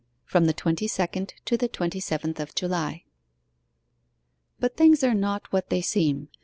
FROM THE TWENTY SECOND TO THE TWENTY SEVENTH OF JULY But things are not what they seem.